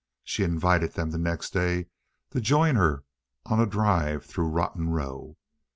She invited them the next day to join her on a drive through Rotten Row.